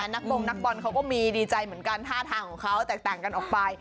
นักบงนักบอลเขาก็มีดีใจเหมือนกันท่าทางของเขาแตกต่างกันออกไป